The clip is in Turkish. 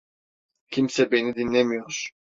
Kimse beni dinlemiyor.